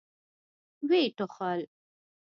ويې ټوخل.